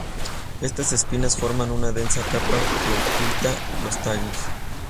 Estas espinas forman una densa capa que oculta los tallos.